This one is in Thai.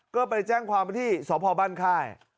ก็ไปแจ้งความที่สพบ้านค่าย